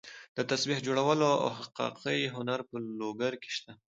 د تسبیح جوړولو او حکاکۍ هنر په لوګر کې شته.